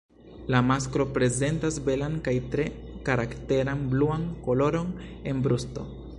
La masklo prezentas belan kaj tre karakteran bluan koloron en brusto.